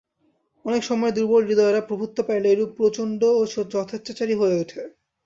অনেক সময়ে দুর্বলহৃদয়েরা প্রভুত্ব পাইলে এইরূপ প্রচণ্ড ও যথেচ্ছাচারী হইয়া উঠে।